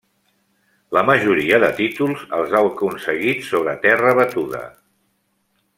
La majoria de títols els ha aconseguit sobre terra batuda.